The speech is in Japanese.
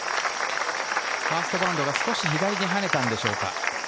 ファーストバウンドは少し左に跳ねたんでしょうか？